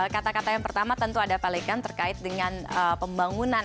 kata kata yang pertama tentu ada balikan terkait dengan pembangunan